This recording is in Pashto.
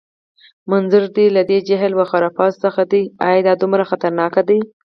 منظور دې له دې جهل و خرافاتو څه دی؟ ایا دا دومره خطرناک دي؟